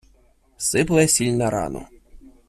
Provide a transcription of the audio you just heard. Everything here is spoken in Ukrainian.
Сипле сіль на рану.